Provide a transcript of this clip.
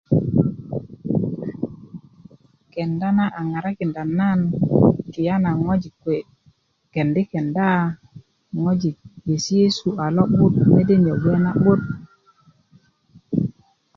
kenda na a ŋarakinda nan tiyana ŋojik kuwe kendi kenda ŋojik yesiyesu a lo'but mede niyo bge na'but